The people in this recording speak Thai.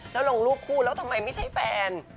แล้วลงรูปคู่แล้วทำไมไม่ใช่แฟน